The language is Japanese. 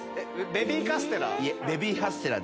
ベビーカステラ？